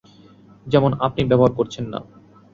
যেমন আপনি ব্যবহার করছেন না।